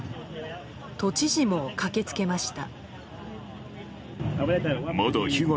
都知事も駆けつけました。